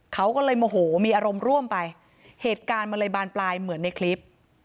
เขาก็เลยโมโหมีอารมณ์ร่วมไปเหตุการณ์มันเลยบานปลายเหมือนในคลิป